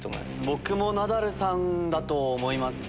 僕もナダルさんだと思います。